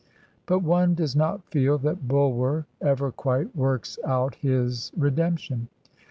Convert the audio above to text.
But one does not feel that Bulwer ever quite works out his redemption.